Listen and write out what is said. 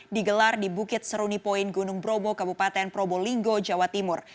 digelar di bukit seruni point gunung bromo kabupaten probolinggo jawa timur